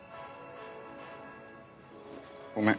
ごめん。